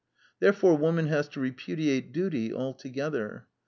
Therefore Woman has to repudiate duty altogether.